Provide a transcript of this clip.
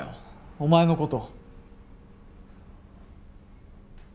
お前のこと。